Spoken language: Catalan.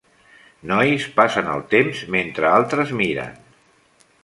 Nois passen el temps mentre altres miren.